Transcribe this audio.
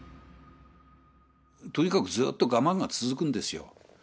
とにかくずっと我慢が続くんですよ。